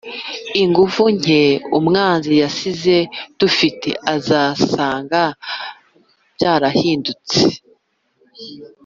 Ingufu nke umwanzi yasize dufite azaza asamga byarahindutse